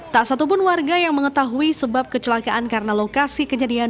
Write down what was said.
tak satupun warga yang mengetahui sebab kecelakaan karena lokasi kejadian